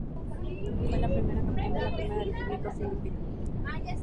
Fue la primera capital de la Primera República Filipina.